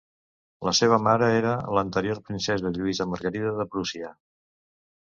La seva mare era l'anterior princesa Lluïsa Margarida de Prússia.